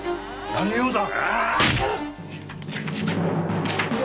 何用だ？